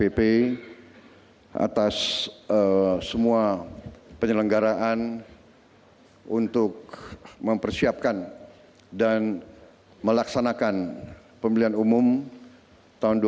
kepada bapak joko widodo bapak joko widodo bapak joko widodo bapak joko widodo bapak joko widodo bapak joko widodo